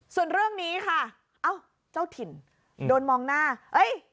ส่วนเรื่องนี้ค่ะเอ้าเจ้าถิ่นโดนมองหน้าเอ้ย